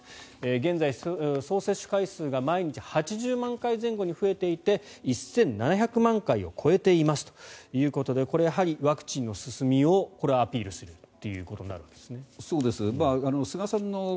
現在は総接種回数が毎日８０万回前後に増えていて１７００万回を超えていますということでこれ、やはりワクチンの進みをアピールすると。